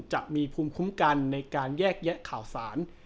จะมีภูมิคุ้มกันในการแยกแยะข่าวสาร